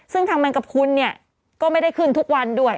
ซึ่งทางแมงกระพูลก็ไม่ได้ขึ้นทุกวันด้วย